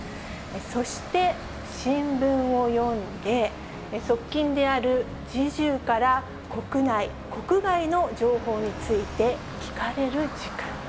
そして、新聞を読んで、側近である侍従から、国内・国外の情報について聞かれる時間。